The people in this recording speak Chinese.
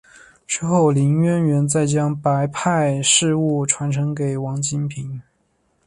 之后林渊源再将白派事务传承给王金平。